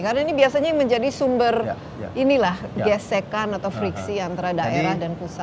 karena ini biasanya menjadi sumber gesekan atau friksi antara daerah dan pusat